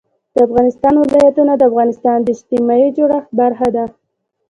د افغانستان ولايتونه د افغانستان د اجتماعي جوړښت برخه ده.